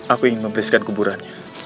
aku ingin memberisikan kuburannya